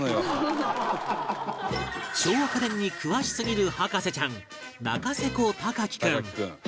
昭和家電に詳しすぎる博士ちゃん仲世古隆貴君